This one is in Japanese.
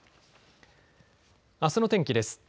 あすの天気です。